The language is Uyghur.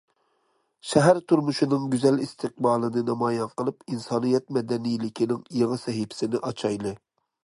شەھەر تۇرمۇشىنىڭ گۈزەل ئىستىقبالىنى نامايان قىلىپ، ئىنسانىيەت مەدەنىيلىكىنىڭ يېڭى سەھىپىسىنى ئاچايلى.